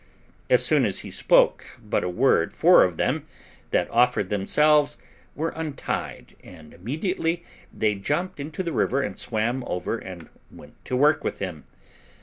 As soon as he spoke but a word, four of them, that offered themselves, were untied, and immediately they jumped into the river, and swam over, and went to work with him.